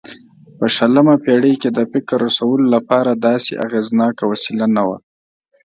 په شلمه پېړۍ کې د فکر رسولو لپاره داسې اغېزناکه وسیله نه وه.